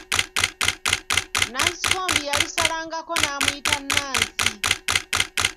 Nansikombi yalisalangako n'amuyita Nansi.